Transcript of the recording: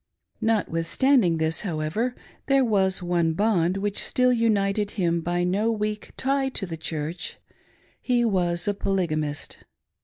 Notwithstanding this, however, there was one bond which still united him by no weak tie to the Church ^he was a Polygamist.